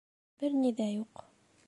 Бер ни ҙә юҡ.